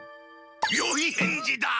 よい返事だ！